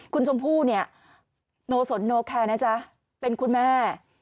คุณชมพู่เนี่ยโนสนโนแคร์นะจ๊ะเป็นคุณแม่